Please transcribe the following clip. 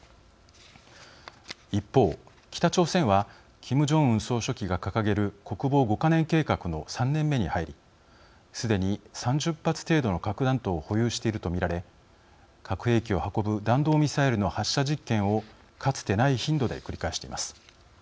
一方、北朝鮮はキム・ジョンウン総書記が掲げる国防５か年計画の３年目に入りすでに３０発程度の核弾頭を保有していると見られ核兵器を運ぶ弾道ミサイルの発射実験をかつてない頻度で繰り返しています。